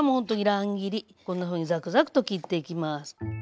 こんなふうにザクザクと切っていきます。